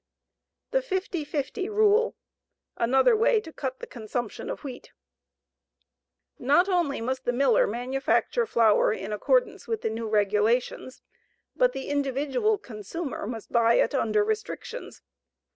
THE 50 50 RULE. ANOTHER WAY TO CUT THE CONSUMPTION OF WHEAT NOT ONLY MUST THE MILLER MANUFACTURE FLOUR IN ACCORDANCE WITH NEW REGULATIONS, BUT THE INDIVIDUAL CONSUMER MUST BUY IT UNDER RESTRICTIONS.